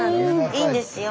いいんですよ。